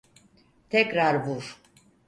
Tekrar vur.